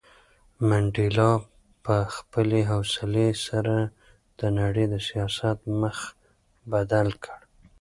منډېلا په خپلې حوصلې سره د نړۍ د سیاست مخ بدل کړ.